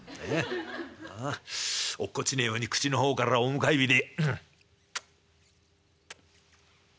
落っこちねえように口の方からお迎え火で」。